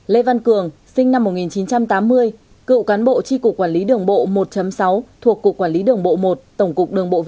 lê văn cường sinh năm một nghìn chín trăm tám mươi cựu cán bộ tri cục quản lý đường bộ một sáu thuộc cục quản lý đường bộ